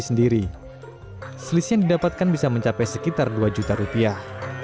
selisih yang didapatkan bisa mencapai sekitar dua juta rupiah